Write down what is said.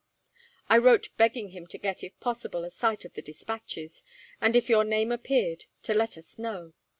I wrote begging him to get, if possible, a sight of the despatches, and if your name appeared, to let us know.